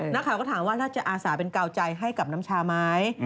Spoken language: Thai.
นักข่าวก็ถามว่าแล้วจะอาสาเป็นกาวใจให้กับน้ำชาไหม